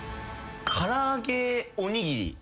唐揚げおにぎり？